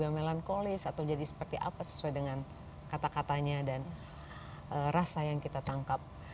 ini akan menjadi sebuah lagu yang melankolis atau menjadi seperti apa sesuai dengan kata katanya dan rasa yang kita tangkap